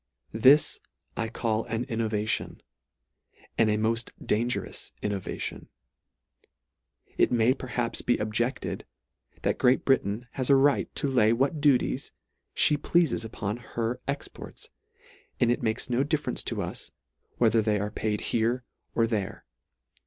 This I call an b innovation ; and a molt dangerous innovation. It may perhaps be objected, that Great Britain has a right to lay what duties fhe pleafes upon her c ex ports, and it makes no difference to us, whether they are paid here or there.